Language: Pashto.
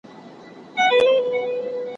کوربه هیواد استخباراتي معلومات نه افشا کوي.